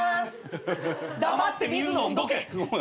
黙って水飲んどけ！